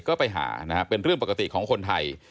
ก็ไปหานะฮะเป็นเรื่องปกติของคนไทย